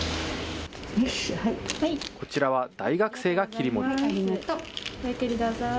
こちらは大学生が切り盛り。